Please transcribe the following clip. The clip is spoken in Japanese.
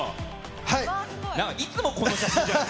いつもこの写真じゃない？